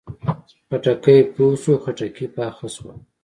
خټکی پوخ شو، خټکي پاخه شول